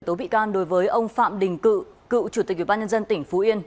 tố bị can đối với ông phạm đình cự cựu chủ tịch ủy ban nhân dân tỉnh phú yên